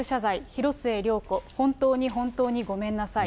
広末涼子、本当に本当にごめんなさい。